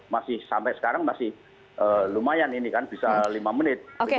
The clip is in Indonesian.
masih sampai sekarang masih lumayan ini kan bisa lima menit